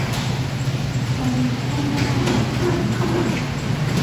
ตอนนี้เข้าไม่ได้แล้ว